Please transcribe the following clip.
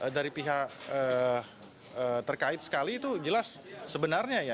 dari pihak terkait sekali itu jelas sebenarnya ya